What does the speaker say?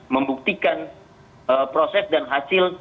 membuktikan proses dan hasil